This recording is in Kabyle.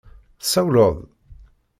Tsawleḍ-d?